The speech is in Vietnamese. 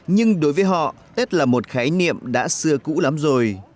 nhưng đối với họ tết là một khái niệm đã xưa cũ lắm rồi